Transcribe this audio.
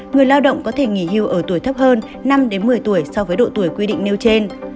người lao động có thể nghỉ hưu ở tuổi thấp hơn năm một mươi tuổi so với độ tuổi quy định nêu trên